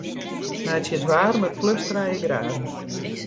Meitsje it waarmer plus trije graden.